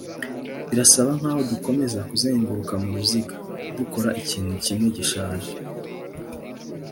birasa nkaho dukomeza kuzenguruka mu ruziga, dukora ikintu kimwe gishaje